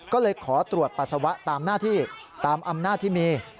ก็เลยขอตรวจปัสสาวะตามหน้าที่ตามอำนาจที่มี